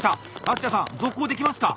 秋田さん続行できますか？